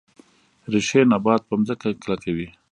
ریښې نبات په ځمکه کلکوي